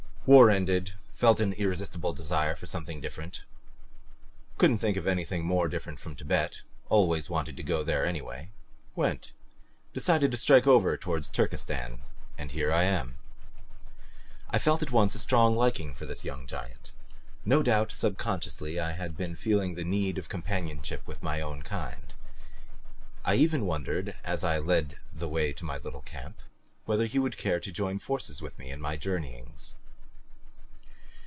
War ended. Felt an irresistible desire for something different. Couldn't think of anything more different from Tibet always wanted to go there anyway. Went. Decided to strike over toward Turkestan. And here I am." I felt at once a strong liking for this young giant. No doubt, subconsciously, I had been feeling the need of companionship with my own kind. I even wondered, as I led the way into my little camp, whether he would care to join fortunes with me in my journeyings.